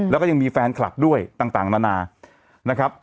แล้วก็ยังมีแฟนคลับด้วยต่างนานานะครับ